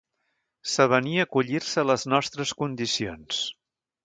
S'avenia a acollir-se a les nostres condicions.